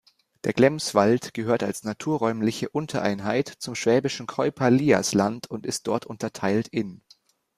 Der Glemswald gehört als "naturräumliche Untereinheit" zum Schwäbischen Keuper-Lias-Land und ist dort unterteilt in